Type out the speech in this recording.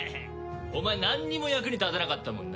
お前なんにも役に立たなかったもんな。